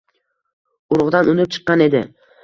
urug‘dan unib chiqqan edi.